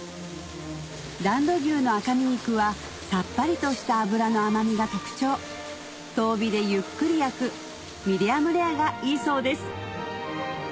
段戸牛の赤身肉はさっぱりとした脂の甘みが特徴遠火でゆっくり焼くミディアムレアがいいそうです